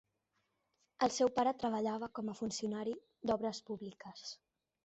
El seu pare treballava com a funcionari d'obres públiques.